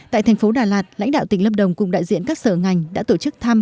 tại thành phố đà lạt lãnh đạo tỉnh lâm đồng cùng đại diện các sở ngành đã tổ chức thăm